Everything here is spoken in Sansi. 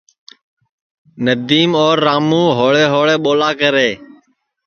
ندیم اور راموں ہوݪے ہوݪے ٻولا کرے